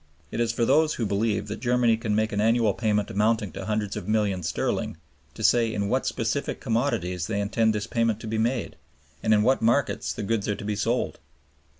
It is for those who believe that Germany can make an annual payment amounting to hundreds of millions sterling to say in what specific commodities they intend this payment to be made and in what markets the goods are to be sold.